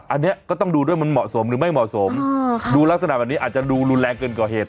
อันนี้ก็ต้องดูด้วยมันเหมาะสมหรือไม่เหมาะสมดูลักษณะแบบนี้อาจจะดูรุนแรงเกินกว่าเหตุ